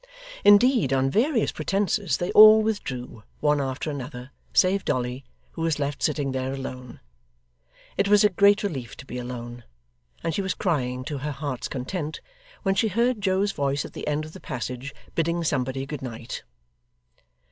Indeed, on various pretences, they all withdrew one after another, save Dolly, who was left sitting there alone. It was a great relief to be alone, and she was crying to her heart's content, when she heard Joe's voice at the end of the passage, bidding somebody good night.